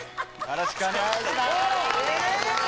よろしくお願いします